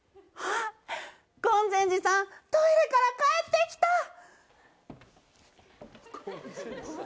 あっ権前寺さんトイレから帰ってきた！